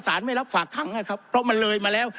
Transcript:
ไม่รับฝากขังนะครับเพราะมันเลยมาแล้ว